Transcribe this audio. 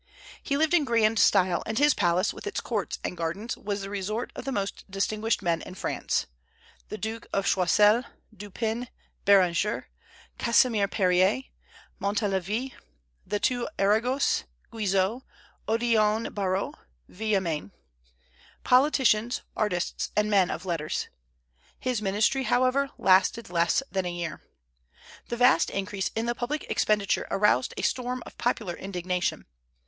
He lived in grand style, and his palace, with its courts and gardens, was the resort of the most distinguished men in France, the Duke of Choiseul, Dupin, Béranger, Casimir Périer, Montalivet, the two Aragos, Guizot, Odillon Barrot, Villemain, politicians, artists, and men of letters. His ministry, however, lasted less than a year. The vast increase in the public expenditure aroused a storm of popular indignation.